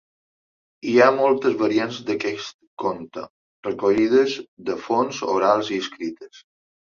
Hi ha moltes variants d'aquest conte, recollides de fonts orals i escrites.